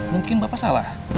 mungkin bapak salah